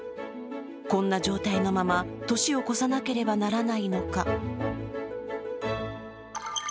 こんな状態のまま年を越さなければならないのか。